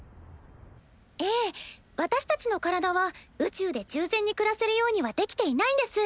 ええ私たちの体は宇宙で十全に暮らせるようにはできていないんです。